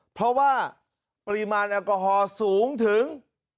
เพราะว่าปริมาณแอลกอฮอล์สูงถึง